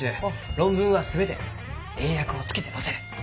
論文は全て英訳をつけて載せる。